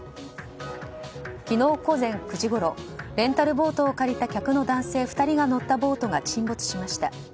昨日午前９時ごろレンタルボートを借りた客の男性２人が乗ったボートが沈没しました。